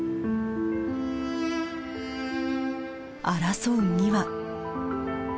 争う２羽。